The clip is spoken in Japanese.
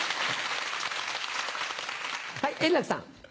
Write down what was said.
はい円楽さん。